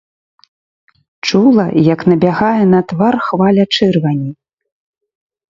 Чула, як набягае на твар хваля чырвані.